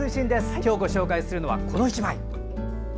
今日ご紹介するのはこの１枚。